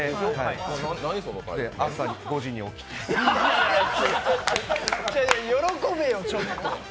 で、朝、５時に起きて喜べよ、ちょっと。